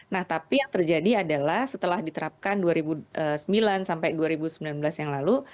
nah tapi yang terjadi adalah setelah diterapkan dua ribu sembilan sampai dua ribu sembilan belas yang lalu